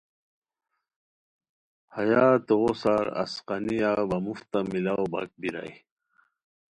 ہیا توغو سار اسقانیہ وا مفتہ ملاؤ باک بیرائے